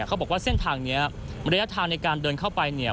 เขาบอกว่าเส้นทางนี้ระยะทางในการเดินเข้าไปเนี่ย